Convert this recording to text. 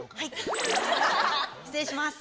失礼します。